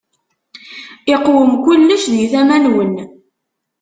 Iqwem kullec di tama-nwen.